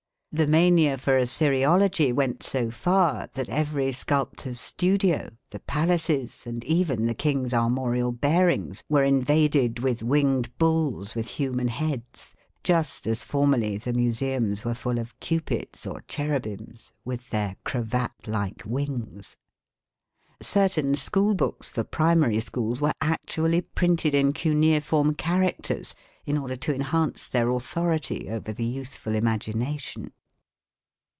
The mania for Assyriology went so far that every sculptor's studio, the palaces, and even the King's armorial bearings were invaded by winged bulls with human heads, just as formerly the museums were full of cupids or cherubims, "with their cravat like wings". Certain school books for primary schools were actually printed in cuneiform characters in order to enhance their authority over the youthful imagination.